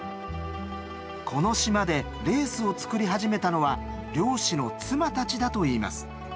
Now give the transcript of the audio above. この島でレースを作り始めたのは漁師の妻たちだといいます。